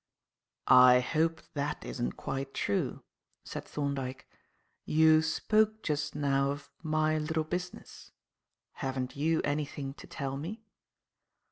"I hope that isn't quite true," said Thorndyke. "You spoke just now of my little business; haven't you anything to tell me?"